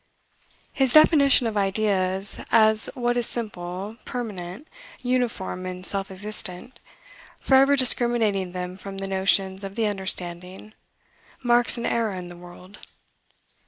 His definition of ideas, as what is simple, permanent, uniform, and self existent, forever discriminating them from the notions of the understanding, marks an era in the world.